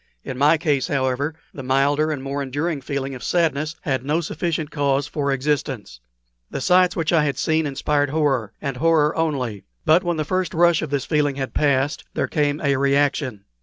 In my case, however, the milder and more enduring feeling of sadness had no sufficient cause for existence. The sights which I had seen inspired horror, and horror only. But when the first rush of this feeling had passed there came a reaction.